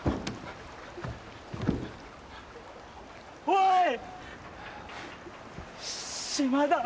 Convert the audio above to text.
おい！